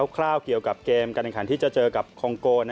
ร่าวเกี่ยวกับเกมการแข่งขันที่จะเจอกับคองโก